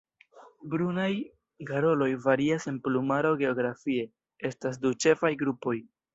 Brunaj garoloj varias en plumaro geografie: estas du ĉefaj grupoj.